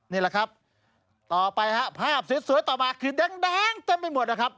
นี่แหละครับต่อไปฮะภาพสวยต่อมาคือแดงเต็มไปหมดนะครับ